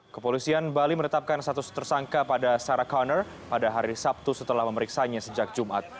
kepolisian bali menetapkan status tersangka pada sarah conner pada hari sabtu setelah memeriksanya sejak jumat